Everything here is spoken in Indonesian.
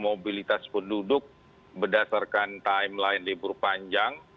mobilitas penduduk berdasarkan timeline libur panjang